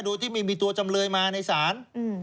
โดยที่มีตัวจำเลยมาในสาร